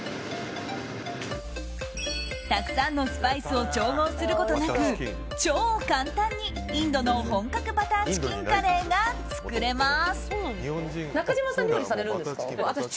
たくさんのスパイスを調合することなく超簡単にインドの本格バターチキンカレーが作れます。